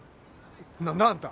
何だあんた。